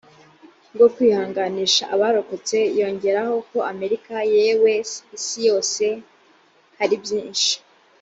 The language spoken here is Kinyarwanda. bwo kwihanganisha abarokotse yongeraho ko america yewe isi yose hari byinshi